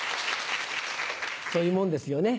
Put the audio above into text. そういうもんですよね。